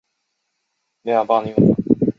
希腊历史学家普鲁塔克曾写下密码棒的用法。